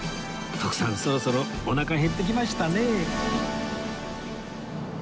徳さんそろそろおなか減ってきましたね